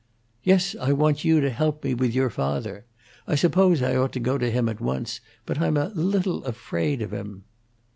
"Yes; I want you to help me with your father. I suppose I ought to go to him at once, but I'm a little afraid of him."